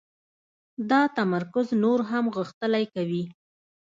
دا تمرکز نور هم غښتلی کوي